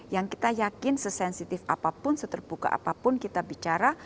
yang kita yakin sesensitif apapun seterbuka apapun kita bicara